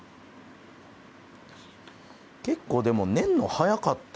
結構でも寝るの早かったか２人。